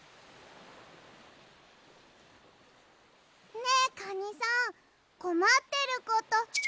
ねえカニさんこまってること。